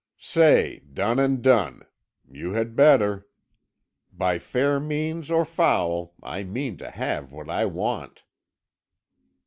Say, done and done; you had better. By fair means or foul I mean to have what I want."